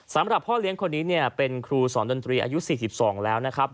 สำหรับพ่อเลี้ยงคนนี้เนี่ยเป็นครูสอนดนตรีอายุ๔๒แล้วนะครับ